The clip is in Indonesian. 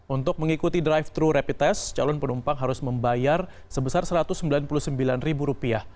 untuk mengikuti drive thru rapid test calon penumpang harus membayar sebesar rp satu ratus sembilan puluh sembilan